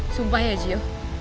sumpah ya gio